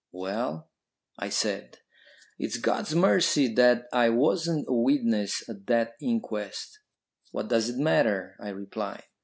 "Well?" I said. "It's God's mercy that I wasn't a witness at that inquest." "What does it matter?" I replied.